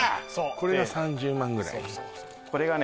これが３０万ぐらいこれがね